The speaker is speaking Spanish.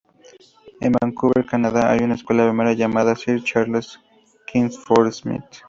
En Vancouver, Canadá, hay una escuela primera llamada Sir Charles Kingsford-Smith.